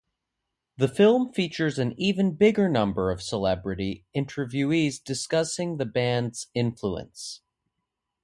The film features an even bigger number of celebrity interviewees discussing the band's influence.